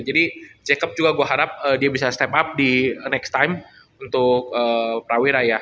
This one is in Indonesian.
jadi jacob juga gue harap dia bisa step up di next time untuk prawira ya